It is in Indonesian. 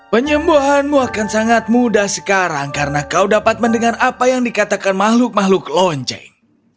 penyembuhanmu akan sangat mudah sekarang karena kau dapat mendengar apa yang dikatakan makhluk makhluk lonceng